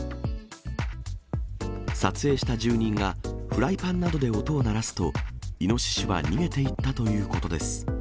撮影した住人がフライパンなどで音を鳴らすと、イノシシは逃げていったということです。